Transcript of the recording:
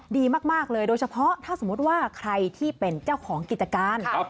ดีมากเลยโดยเฉพาะถ้าสมมุติว่าใครที่เป็นเจ้าของกิจการ